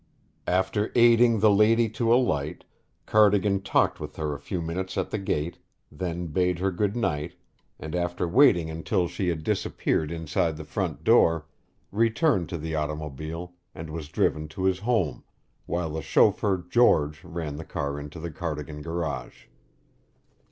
After aiding the lady to alight, Cardigan talked with her a few minutes at the gate, then bade her good night and after waiting until she had disappeared inside the front door, returned to the automobile and was driven to his home, while the chauffeur George ran the car into the Cardigan garage.